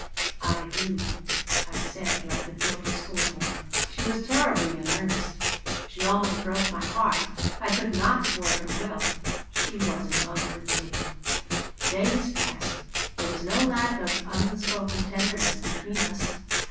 "I do," I said, like a guilty school boy She was terribly in earnest. She almost broke my heart. I could not thwart her will She was in love with me Days passed. There was no lack of unspoken tenderness between us.